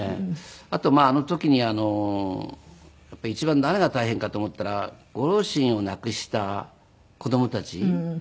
あとまああの時に一番誰が大変かと思ったらご両親を亡くした子供たち。